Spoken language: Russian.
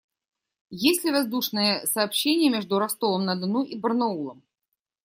Есть ли воздушное сообщение между Ростовом-на-Дону и Барнаулом?